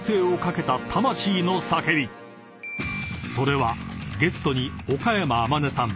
［それはゲストに岡山天音さん